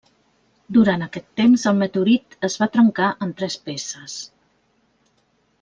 Durant aquest temps el meteorit es va trencar en tres peces.